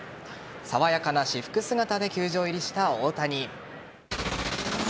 爽やかな私服姿で球場入りした大谷。